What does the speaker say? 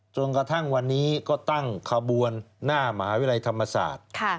จนกระทั่งวันนี้ก็ตั้งขบวนหน้ามหาวิทยาลัยธรรมศาสตร์